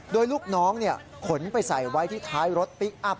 โดยลูกน้องขนไปใส่ไว้ที่ท้ายรถพลิกอัพ